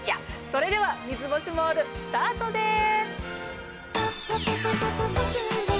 それでは『三ツ星モール』スタートです。